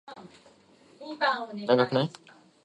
However, during that time all editions ended normally.